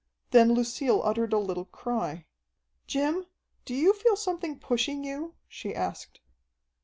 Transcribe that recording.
Then Lucille uttered a little cry. "Jim, do you feel something pushing you?" she asked.